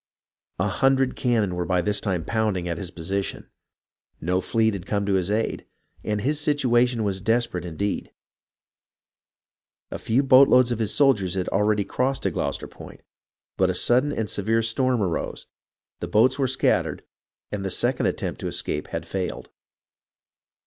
A hundred cannon were by this time pounding at his position. No fleet had come to his aid, and his situation was desperate indeed. A few boatloads of his soldiers had already crossed to Gloucester Point ; but a sudden and severe storm arose, the boats were scattered, and the second attempt to escape had failed.